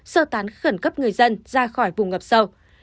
sơ tán khẩn cấp người dân ra khỏi vùng ngập sâu